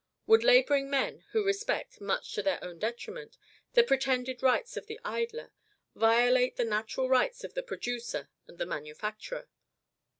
Would laboring men, who respect much to their own detriment the pretended rights of the idler, violate the natural rights of the producer and the manufacturer?